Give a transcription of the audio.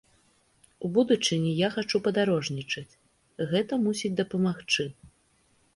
У будучыні я хачу падарожнічаць, гэта мусіць дапамагчы.